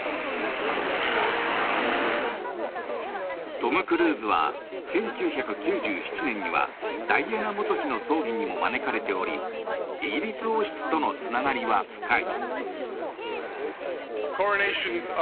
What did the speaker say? トム・クルーズは１９９７年にはダイアナ元妃の葬儀にも招かれておりイギリス王室とのつながりは深い。